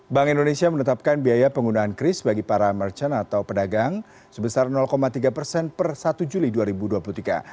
bank indonesia menetapkan biaya penggunaan kris bagi para merchant atau pedagang sebesar tiga persen per satu juli dua ribu dua puluh tiga